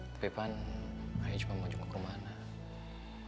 tapi kan ayo cuma mau jenguk rumah anak